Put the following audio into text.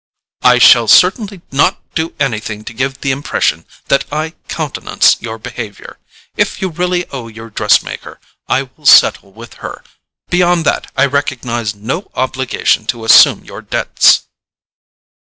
"I shall certainly not do anything to give the impression that I countenance your behaviour. If you really owe your dress maker, I will settle with her—beyond that I recognize no obligation to assume your debts."